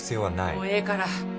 もうええから。